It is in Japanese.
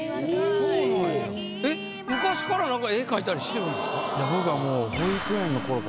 そうなんやえっ昔から絵描いたりしてるんですか？